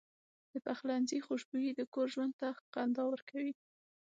د پخلنځي خوشبويي د کور ژوند ته خندا ورکوي.